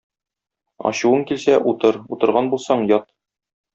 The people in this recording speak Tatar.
Ачуың килсә, утыр, утырган булсаң, ят.